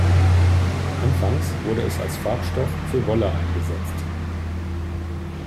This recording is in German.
Anfangs wurde es als Farbstoff für Wolle eingesetzt.